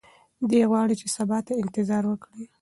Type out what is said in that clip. دی غواړي چې سبا ته انتظار وکړي.